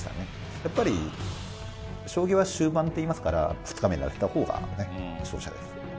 やっぱり将棋は終盤っていいますから、２日目に当てたほうが勝者です。